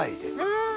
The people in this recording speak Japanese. うん！